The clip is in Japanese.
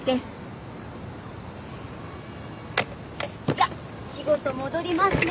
じゃ仕事戻りますね。